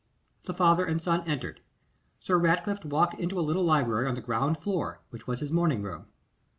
The father and son entered. Sir Ratcliffe walked into a little library on the ground floor, which was his morning room.